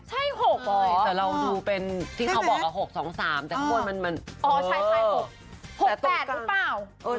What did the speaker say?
ใช่๖แต่เราดูเป็นที่เขาบอก๖๒๓แต่ข้างบนมันอ๋อใช่๖๘หรือเปล่า